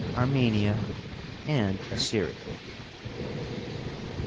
Armenia, and Assyria.